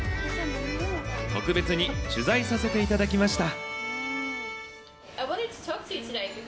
特別に取材させていただきました。